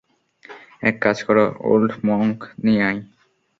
এক কাজ কর, ওল্ড মঙ্ক নিয়ে আয়।